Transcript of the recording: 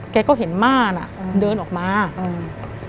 แกก็เห็นม่าน่ะอืมเดินออกมาอืม